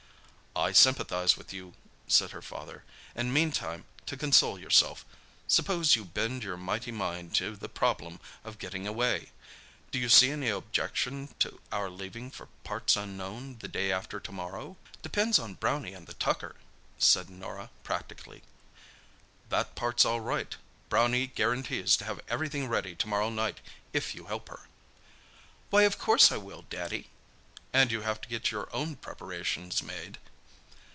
"I sympathise with you," said her father, "and, meanwhile, to console yourself, suppose you bend your mighty mind to the problem of getting away. Do you see any objection to our leaving for parts unknown the day after to morrow?" "Depends on Brownie and the tucker," said Norah practically. "That part's all right; Brownie guarantees to have everything ready to morrow night if you help her." "Why, of course I will, Daddy." "And you have to get your own preparations made."